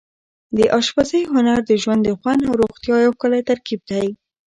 د اشپزۍ هنر د ژوند د خوند او روغتیا یو ښکلی ترکیب دی.